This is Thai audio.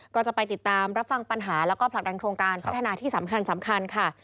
ก็จะไปติดตามรับฟังปัญหาแล้วก็ผลักดันโครงการพัฒนาที่สำคัญค่ะ